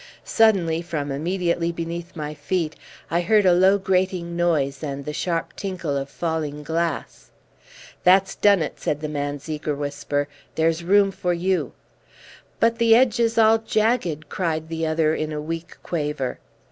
Suddenly, from immediately beneath my feet, I heard a low grating noise and the sharp tinkle of falling glass. "That's done it," said the man's eager whisper. "There is room for you." "But the edge is all jagged!" cried the other in a weak quaver.